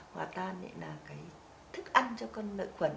hòa tan thức ăn cho con lợi khuẩn